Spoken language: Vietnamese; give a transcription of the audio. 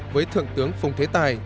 với thượng tướng phùng thế tài